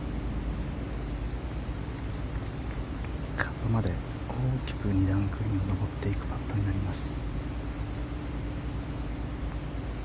カップまで大きく２段グリーンを上っていくパットになります。